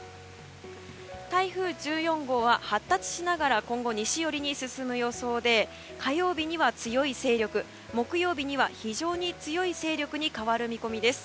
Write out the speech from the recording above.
台風１４号は発達しながら今後、西寄りに進む予想で火曜日には強い勢力木曜日には非常に強い勢力に変わる見込みです。